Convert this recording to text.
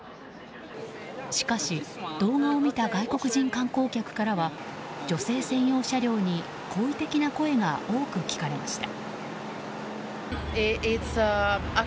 しかし、動画を見た外国人観光客からは女性専用車両に好意的な声が多く聞かれました。